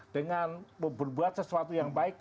dengan berbuat sesuatu yang baik